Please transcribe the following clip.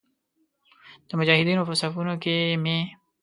د مجاهدینو په صفونو کې مې.